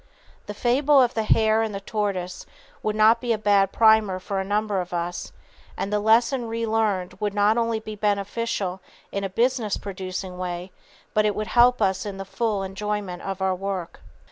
The fable of the hare and the tortoise would not be a bad primer for a number of us, and the lesson relearned would not only be beneficial in a business producing way, but it would help us in the full enjoyment of our work."